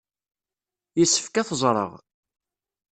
Yessefk ad teẓreɣ.